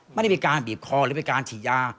มันไม่ไปกาลบีบคอมันไม่กาลฉียา